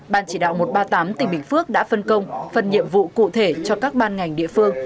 ban chỉ đạo một trăm ba mươi tám tỉnh bình phước đã phân công phần nhiệm vụ cụ thể cho các ban ngành địa phương